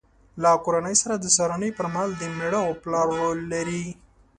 له کورنۍ سره د سهارنۍ پر مهال د مېړه او پلار رول لري.